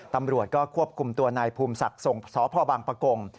ตำรวจก็ควบคุมตัวนายภูมิศักดิ์ส่งสพบังปะกง